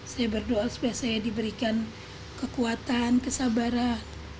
saya berdoa supaya saya diberikan kekuatan kesabaran